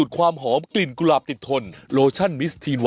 ขำจริงปิ๊มหอม